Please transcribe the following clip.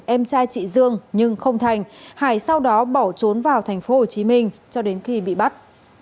em trai chị dương nhưng không thành hải sau đó bỏ trốn vào tp hcm cho đến khi bị bắt